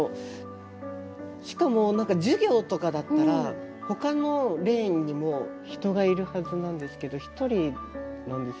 しかも授業とかだったら他のレーンにも人がいるはずなんですけどひとりなんですよね。